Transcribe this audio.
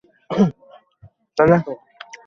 আমি টাকাটা রাখলাম।